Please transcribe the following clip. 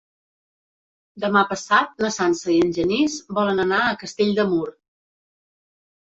Demà passat na Sança i en Genís volen anar a Castell de Mur.